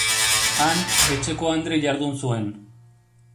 Han, etxeko andre jardun zuen.